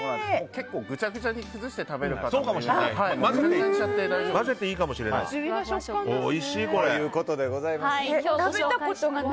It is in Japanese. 結構ぐちゃぐちゃに崩して混ぜていいかもしれないです。